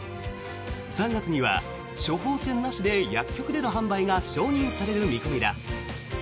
３月には処方せんなしで薬局での販売が承認される見込みだ。